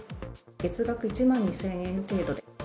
月額１万２０００円程度で。